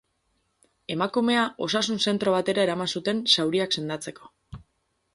Emakumea osasun zentro batera eraman zuten zauriak sendatzeko.